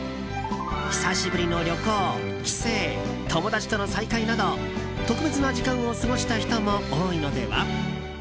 久しぶりの旅行、帰省友達との再会など特別な時間を過ごした人も多いのでは？